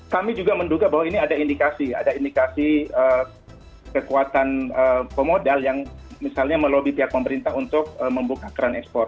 kami juga menduga bahwa ini ada indikasi ada indikasi kekuatan pemodal yang misalnya melobi pihak pemerintah untuk membuka keran ekspor